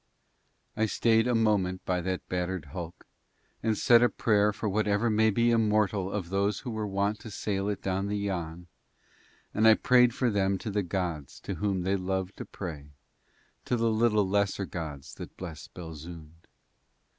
I stayed a moment by that battered hulk and said a prayer for whatever may be immortal of those who were wont to sail it down the Yann, and I prayed for them to the gods to whom they loved to pray, to the little lesser gods that bless Belzoond.